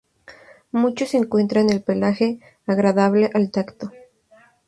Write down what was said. Muchos encuentran el pelaje agradable al tacto.